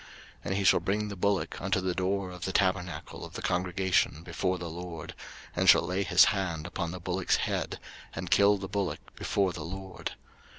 03:004:004 And he shall bring the bullock unto the door of the tabernacle of the congregation before the LORD; and shall lay his hand upon the bullock's head, and kill the bullock before the LORD.